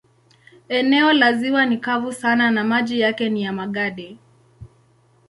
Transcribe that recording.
Eneo la ziwa ni kavu sana na maji yake ni ya magadi.